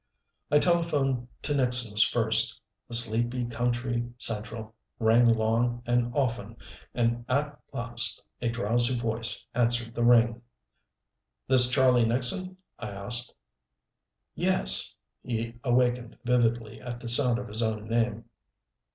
I telephoned to Nixon's first. The sleepy, country Central rang long and often, and at last a drowsy voice answered the ring. "This Charley Nixon?" I asked. "Yes." He awakened vividly at the sound of his own name.